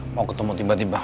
mau ketemu tiba tiba